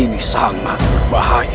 ini sangat berbahaya